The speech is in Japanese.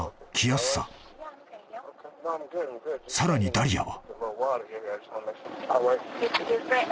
［さらにダリアは］